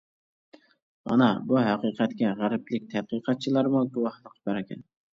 مانا بۇ ھەقىقەتكە غەربلىك تەتقىقاتچىلارمۇ گۇۋاھلىق بەرگەن.